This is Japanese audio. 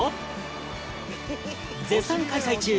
絶賛開催中